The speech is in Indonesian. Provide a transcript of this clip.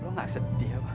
lo gak sedih apa